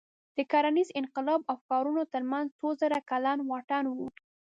د کرنیز انقلاب او ښارونو تر منځ څو زره کلن واټن و.